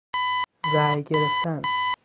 رای گرفتن